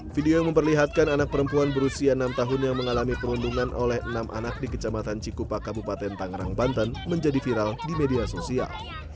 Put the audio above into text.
video yang memperlihatkan anak perempuan berusia enam tahun yang mengalami perundungan oleh enam anak di kecamatan cikupa kabupaten tangerang banten menjadi viral di media sosial